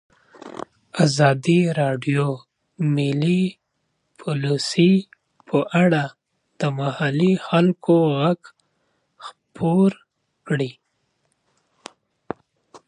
ازادي راډیو د مالي پالیسي په اړه د محلي خلکو غږ خپور کړی.